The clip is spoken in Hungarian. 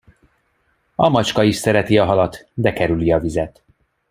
A macska is szereti a halat, de kerüli a vizet.